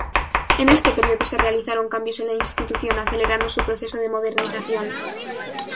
En este período se realizaron cambios en la institución, acelerando su proceso de modernización.